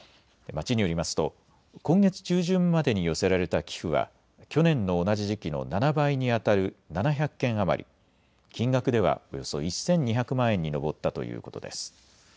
町によりますと今月中旬までに寄せられた寄付は去年の同じ時期の７倍にあたる７００件余り、金額ではおよそ１２００万円に上ったということです。